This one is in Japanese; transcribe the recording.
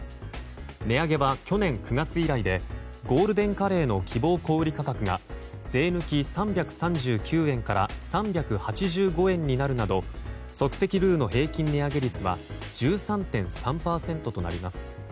値上げは去年９月以来でゴールデンカレーの希望小売価格が税抜き３３９円から３８５円になるなど即席ルウの平均値上げ率は１３．３％となります。